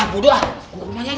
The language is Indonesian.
buduh ah ke rumahnya aja